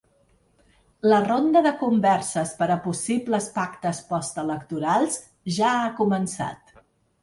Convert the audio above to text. La ronda de converses per a possibles pactes postelectorals ja ha començat.